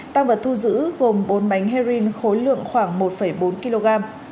tăng vật thu giữ gồm bốn bánh heroin khối lượng khoảng một bốn kg